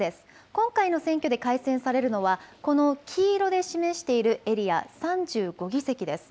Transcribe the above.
今回の選挙で改選されるのはこの黄色で示しているエリア、３５議席です。